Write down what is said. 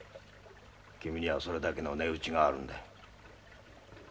君にはそれだけの値打ちがあるんだ。